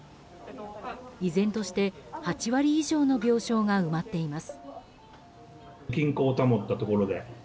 依然として８割以上の病床が埋まっています。